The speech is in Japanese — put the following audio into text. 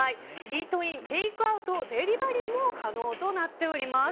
イートイン、テイクアウトデリバリーも可能となっております。